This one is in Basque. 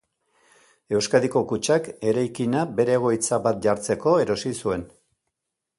Euskadiko Kutxak eraikina bere egoitza bat jartzeko erosi zuen.